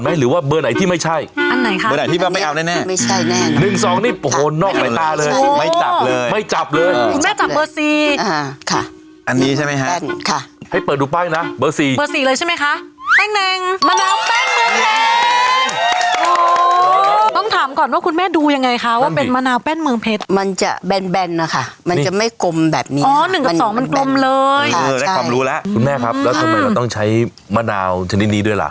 เมื่อเราต้องใช้มะนาวจนที่นี้ด้วยหรอ